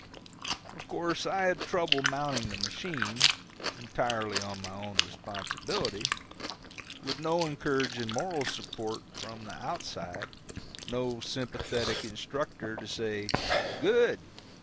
Of course I had trouble mounting the machine, entirely on my own responsibility, with no encouraging moral support from the outside, no sympathetic instructor to say, "Good!